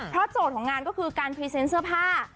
โจทย์ของงานก็คือการพรีเซนต์เสื้อผ้า